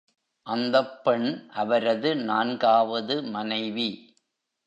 அந்தப் பெண் அவரது நான்காவது மனைவி.